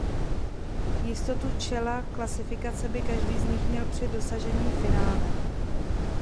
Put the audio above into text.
Jistotu čela klasifikace by každý z nich měl při dosažení finále.